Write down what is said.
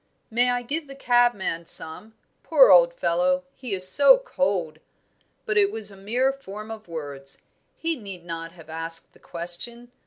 "May I give the cabman some? Poor old fellow, he is so cold!" But it was a mere form of words. He need not have asked the question.